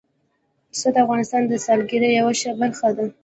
پسه د افغانستان د سیلګرۍ یوه ښه برخه ده.